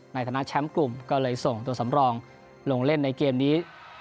ในฐานะแชมป์กลุ่มก็เลยส่งตัวสำรองลงเล่นในเกมนี้